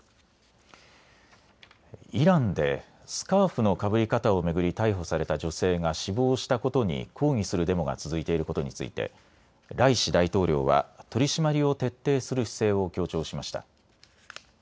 イランでスカーフのかぶり方を巡り逮捕された女性が死亡したことに抗議するデモが続いていることについてライシ大統領は取締りを徹底する姿勢を強調しました。